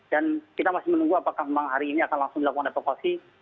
dan kita masih menunggu apakah memang hari ini akan langsung dilakukan depokasi